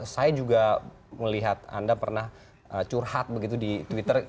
saya juga melihat anda pernah curhat begitu di twitter